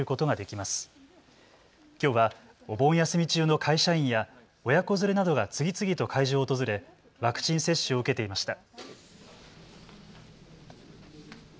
きょうは、お盆休み中の会社員や親子連れなどが次々と会場を訪れワクチン接種を受けていました。